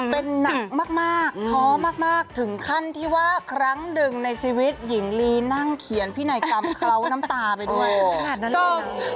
เป็นหนักมากท้อมากถึงขั้นที่ว่าครั้งหนึ่งในชีวิตหญิงลีนั่งเขียนพินัยกรรมเคล้าน้ำตาไปด้วย